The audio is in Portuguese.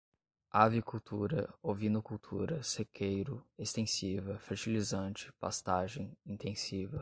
avicultura, ovinocultura, sequeiro, extensiva, fertilizante, pastagem, intensiva